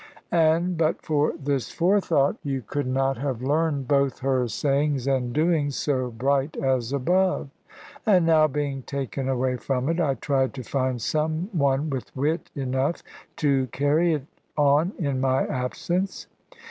And but for this forethought, you could not have learned both her sayings and doings so bright as above. And now being taken away from it, I tried to find some one with wit enough to carry it on in my absence.